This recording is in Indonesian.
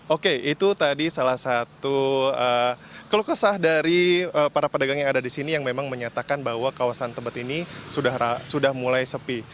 oke itu tadi salah satu keluh kesah dari para pedagang yang ada di sini yang memang menyatakan bahwa kawasan tebet ini sudah mulai sepi